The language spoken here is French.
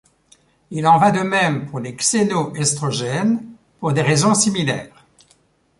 Il en va de même pour les xéno-estrogènes, pour des raisons similaire.